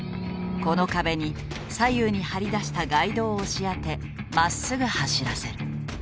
この壁に左右に張り出したガイドを押し当てまっすぐ走らせる。